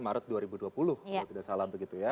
maret dua ribu dua puluh kalau tidak salah begitu ya